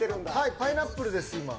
パイナップルです、今。